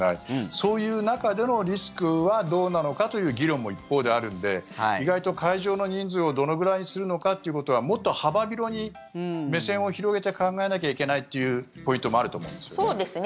そういう中でのリスクはどうなのかという議論も一方であるので意外と会場の人数をどのぐらいにするのかというのはもっと幅広に目線を広げて考えなきゃいけないというそうですね。